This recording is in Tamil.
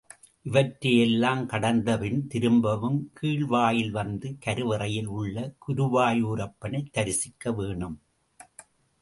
இவற்றை எல்லாம் கடந்தபின் திரும்பவும் கீழ்வாயில் வந்து கருவறையில் உள்ள குருவாயூரப்பனைத் தரிசிக்க வேணும்.